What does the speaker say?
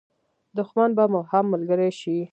دښمن به مو هم ملګری شي.